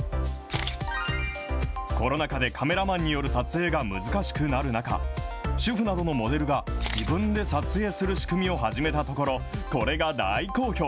コロナ禍でカメラマンによる撮影が難しくなる中、主婦などのモデルが自分で撮影する仕組みを始めたところ、これが大好評。